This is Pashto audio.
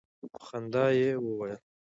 په خندا یې وویل.